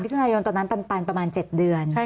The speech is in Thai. ทุนายนตอนนั้นปันประมาณ๗เดือน